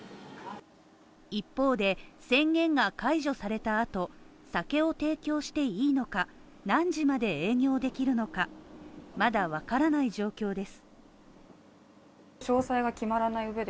一方で、宣言が解除された後、酒を提供していいのか何時まで営業できるのかまだわからない状況です。